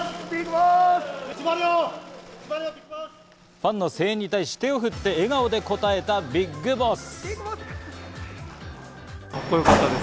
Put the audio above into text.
ファンの声援に対し、手を振って笑顔で応えたビッグボス。